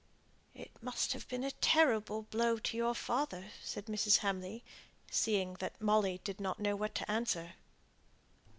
"It must have been a terrible blow to your father," said Mrs. Hamley, seeing that Molly did not know what to answer.